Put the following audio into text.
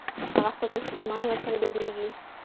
هغه فکر چې ایمان ور سره ګډېږي